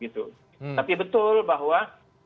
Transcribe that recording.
tapi betul bahwa